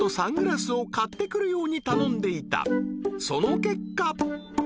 ［その結果］